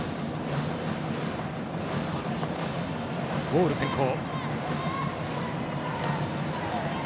ボール先行。